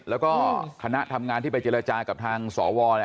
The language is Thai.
แล้วก็คณะทำงานที่ไปเจรจากับทางสว